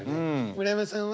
村山さんは？